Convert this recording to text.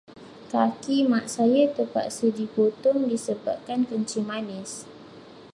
Kaki Mak saya terpaksa dipotong disebabkan kencing manis.